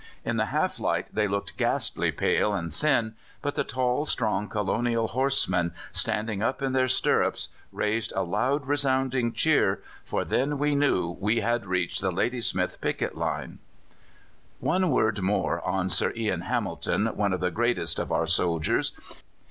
In the half light they looked ghastly pale and thin, but the tall, strong colonial horsemen, standing up in their stirrups, raised a loud resounding cheer, for then we knew we had reached the Ladysmith picket line." One word more on Sir Ian Hamilton, one of the greatest of our soldiers.